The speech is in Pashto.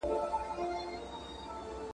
نه طبیب سوای له مرګي را ګرځولای ..